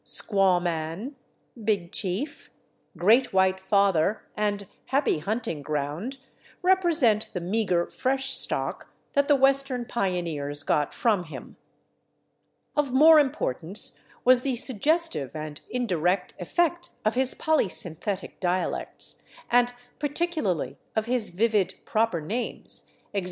/squaw man/, /big chief/, /great white father/ and /happy hunting ground/, represent the meagre fresh stock that the western pioneers got from him. Of more importance was the suggestive and indirect effect of his polysynthetic dialects, and particularly of his vivid proper names, /e. g.